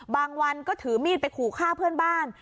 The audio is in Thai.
วันก็ถือมีดไปขู่ฆ่าเพื่อนบ้าน